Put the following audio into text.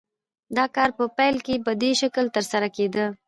دا کار په پیل کې په دې شکل ترسره کېده